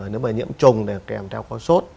nếu mà nhiễm trùng thì kèm theo con sốt